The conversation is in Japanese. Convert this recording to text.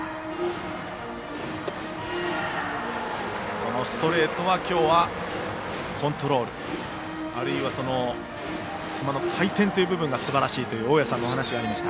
そのストレートは今日はコントロールあるいは、球の回転という部分がすばらしいという大矢さんのお話がありました。